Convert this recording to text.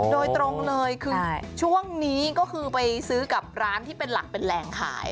โดยตรงเลยคือช่วงนี้ก็คือไปซื้อกับร้านที่เป็นหลักเป็นแหล่งขาย